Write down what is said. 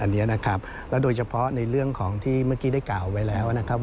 และโดยเฉพาะในเรื่องของที่เมื่อกี้ได้กล่าวไว้แล้วนะครับ